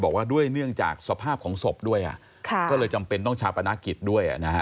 บอกว่าด้วยเนื่องจากสภาพของศพด้วยก็เลยจำเป็นต้องชาปนกิจด้วยนะฮะ